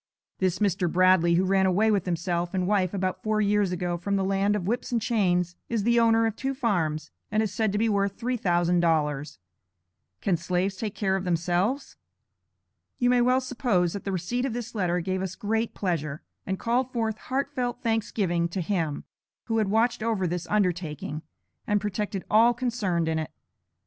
This Mr. Bradley, who ran away with himself and wife about four years ago from the land of whips and chains, is the owner of two farms, and is said to be worth three thousand dollars. Can slaves take care of themselves?" You may well suppose that the receipt of this letter gave us great pleasure, and called forth heartfelt thanksgiving to Him, who had watched over this undertaking, and protected all concerned in it.